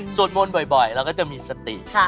ส่วนบ้นบ่อยเราก็จะมีสติ